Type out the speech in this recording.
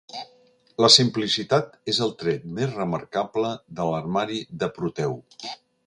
La simplicitat és el tret més remarcable de l'armari de Proteu.